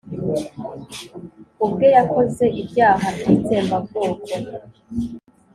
ubwe yakoze ibyaha by'itsembabwoko.